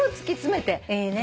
いいね。